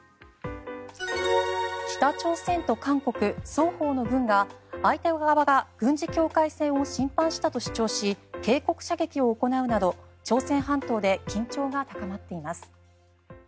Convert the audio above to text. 北朝鮮と韓国双方の軍が相手側が軍事境界線を侵犯したと主張し警告射撃を行うなど、朝鮮半島で緊張が高まっています。